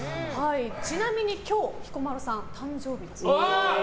ちなみに今日、彦摩呂さん誕生日だそうです。